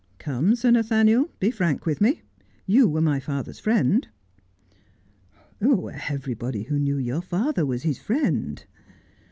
' Come, Sir Nathaniel, be frank with me. You were my father's friend.' ' Everybody who knew your father was his friend.'